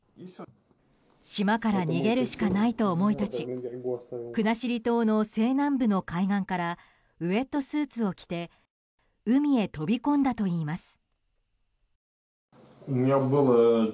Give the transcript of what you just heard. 島から逃げるしかないと思い立ち国後島の西南部海岸からウェットスーツを着て海へ飛び込んだといいます。